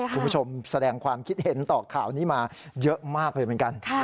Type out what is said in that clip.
คุณผู้ชมแสดงความคิดเห็นต่อข่าวนี้มาเยอะมากเลยเหมือนกัน